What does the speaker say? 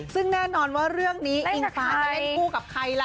ซึ่งแน่นอนว่าเรื่องนี้อิงฟ้าจะเล่นคู่กับใครล่ะ